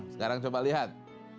sekarang coba lihat